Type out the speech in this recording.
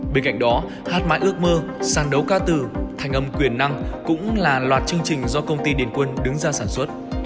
bên cạnh đó hát mãi ước mơ sàng đấu ca từ thành âm quyền năng cũng là loạt chương trình do công ty điền quân đứng ra sản xuất